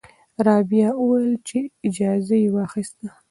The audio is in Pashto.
رابعه ویلي وو چې اجازه یې واخیسته.